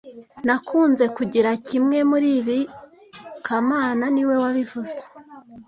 Nakunze kugira kimwe muri ibi kamana niwe wabivuze